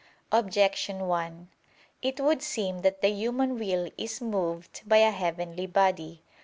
Objection 1: It would seem that the human will is moved by a heavenly body.